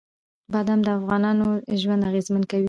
بادام د افغانانو ژوند اغېزمن کوي.